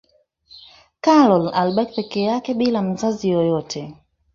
karol alibaki peke yake bila mzazi yeyote